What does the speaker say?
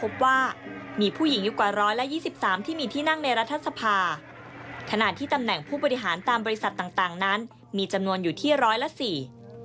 บริษัทต่างนั้นมีจำนวนอยู่ที่ร้อยละสี่